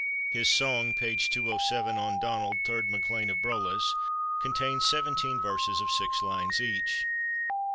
His song (p. 207) on Donald, third MacLean of Brolass, contains seventeen verses of six lines each.